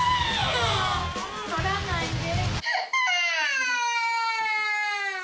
取らないで。